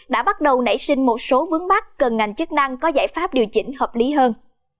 đã bắt đầu nảy sinh một số vướng bắt cần ngành chức năng có giải pháp điều chỉnh hợp lý hơn